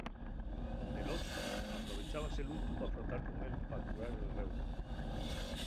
Del osu aprovechábase l'untu pa frotar con él pa curar el reuma.